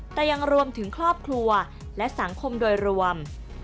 แต่ยังรวมถึงครอบครัวและสังคมโดยรวม